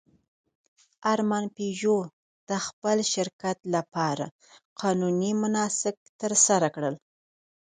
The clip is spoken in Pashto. ارمان پيژو د خپل شرکت لپاره قانوني مناسک ترسره کړل.